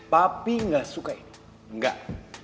papi enggak suka ini enggak